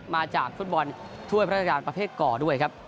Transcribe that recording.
มาจากฟุตบอลถ้วยพระราชการประเภทก่อด้วยครับ